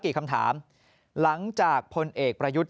คำถามหลังจากพลเอกประยุทธ์